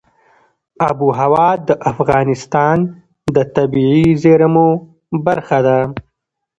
آب وهوا د افغانستان د طبیعي زیرمو برخه ده.